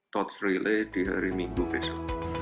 torts relay di hari minggu besok